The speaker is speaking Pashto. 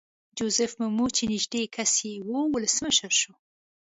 جوزیف مومو چې نږدې کس یې وو ولسمشر شو.